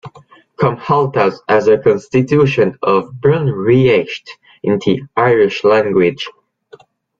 Comhaltas has a constitution or "Bunreacht" in the Irish language.